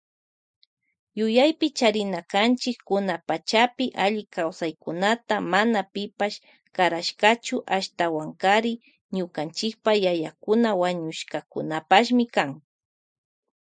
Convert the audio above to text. Yuyapi charina kanchi kunan pachapi alli kawsaykunaka mana pipash karashkachu, ashtawankari ñukanchipa yayakuna wañushkakunapashmi kan.